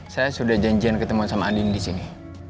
saya sudah janjian ketemu sama andin disini